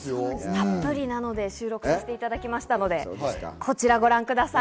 たっぷり収録させていただきましたので、こちらご覧ください。